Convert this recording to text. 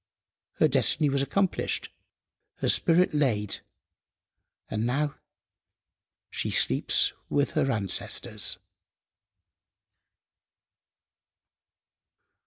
Her destiny was accomplished, her spirit laid, and she now sleeps with her ancestors.